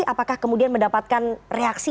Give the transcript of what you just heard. apakah kemudian mendapatkan reaksi